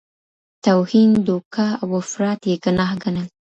توهین، دوکه او افراط یې ګناه ګڼل.